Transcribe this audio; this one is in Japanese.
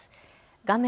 画面